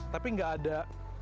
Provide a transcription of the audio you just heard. tapi ga ada